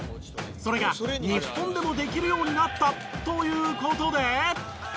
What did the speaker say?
それが日本でもできるようになったという事で。